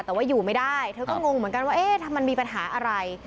แต่ว่าอยู่ไม่ได้เธอก็งงเหมือนกันว่าเอ๊ะทำไมมันมีปัญหาอะไร